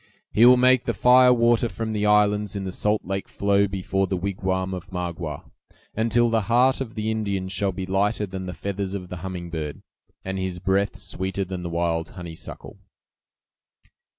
"He will make the fire water from the islands in the salt lake flow before the wigwam of Magua, until the heart of the Indian shall be lighter than the feathers of the humming bird, and his breath sweeter than the wild honeysuckle."